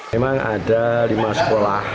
memang ada lima sekolah